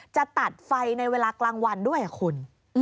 จะตัดไฟในเวลากลางวันด้วยคุณ